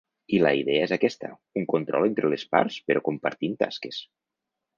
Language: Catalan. I la idea és aquesta, un control entre les parts però compartint tasques.